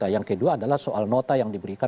yang kedua adalah soal nota yang diberikan